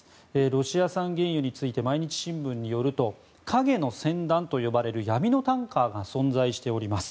ロシア産原油について毎日新聞によると影の船団と呼ばれる闇のタンカーが存在しております。